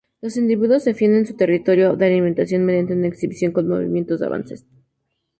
Los individuos defienden su territorio de alimentación mediante una exhibición con movimientos de avances.